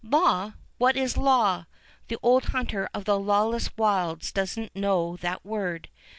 Law! What is law? The old hunter of the lawless wilds does n't know that word.